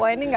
wah ini gak